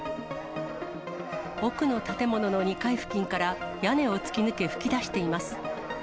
奥の建物の２階付近から、屋根を突き抜け噴き出しています。